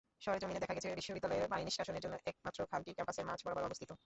সরেজমিনে দেখা গেছে, বিশ্ববিদ্যালয়ের পানিনিষ্কাশনের জন্য একমাত্র খালটি ক্যাম্পাসের মাঝ বরাবর অবস্থিত।